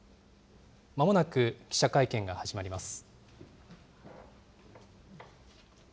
まもなく記者会見が始まります。